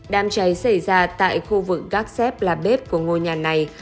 đàm cháy xảy ra tại khu vực gác xép là bếp của ngôi nhà này